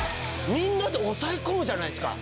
みんなで抑え込むじゃないですか。